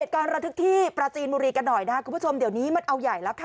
การระทึกที่ปราจีนบุรีกันหน่อยนะครับคุณผู้ชมเดี๋ยวนี้มันเอาใหญ่แล้วค่ะ